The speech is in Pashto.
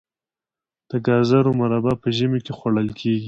د ګازرو مربا په ژمي کې خوړل کیږي.